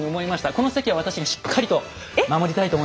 この席は私がしっかりと守りたいと思います。